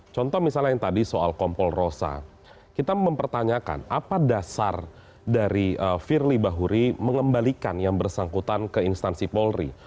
contoh misalnya yang tadi soal kompol rosa kita mempertanyakan apa dasar dari firly bahuri mengembalikan yang bersangkutan ke instansi polri